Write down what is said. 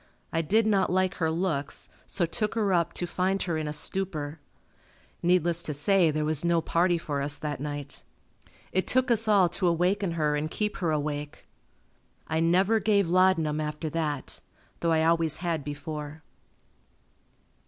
I did not like her looks, so took her up to find her in a stupor. Needless to say there was no party for us that night. It took us all to awaken her and keep her awake. I never gave laudanum after that, though I always had before.